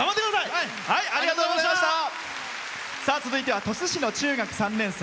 続いては鳥栖市の中学３年生。